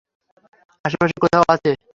আশেপাশে কোথাও আছে।